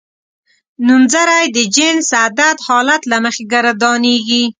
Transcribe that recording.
نومځری د جنس عدد حالت له مخې ګردانیږي.